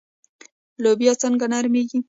لوبیې څنګه نرمیږي؟